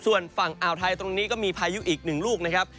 ส่วนฝั่งอ่าวไทยตรงนี้ก็มีพายุอีกหนึ่งลูกนะครับ